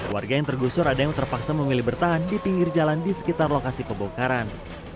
warga yang tergusur ada yang terpaksa memilih bertahan di pinggir jalan di sekitar lokasi pembongkaran